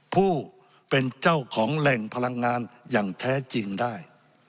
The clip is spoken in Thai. ผู้เป็นเจ้าของแหล่งพลังงานอย่างแท้จริงได้